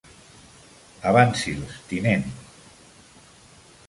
Avanci'ls, tinent.